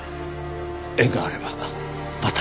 縁があればまた。